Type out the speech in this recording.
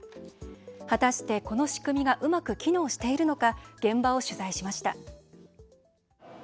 果たして、この仕組みがうまく機能しているのか現場を取材しました。